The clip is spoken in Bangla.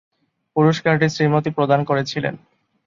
পুরস্কারটি শ্রীমতী প্রদান করেছিলেন।